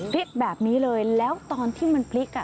เรียกแบบนี้เลยแล้วตอนที่มันพลิก